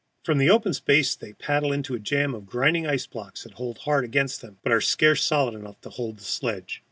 From the open space they paddle into a jam of grinding ice blocks that hold hard against them, but are scarce solid enough to bear the sledges.